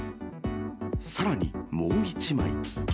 さらに、もう１枚。